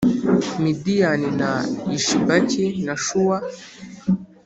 Midiyani na Yishibaki na Shuwa